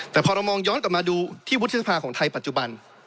แต่พอเรามองย้อนกลับมาดูที่วุฒิสภาของไทยปัจจุบัน